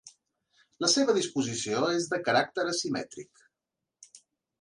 La seva disposició és de caràcter asimètric.